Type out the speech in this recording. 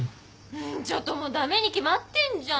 ちょっともう駄目に決まってんじゃん。